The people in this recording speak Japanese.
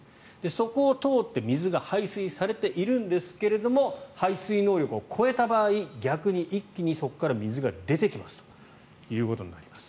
そこを通って水が排水されているんですけれど排水能力を超えた場合逆に一気にそこから水が出てきますということになります。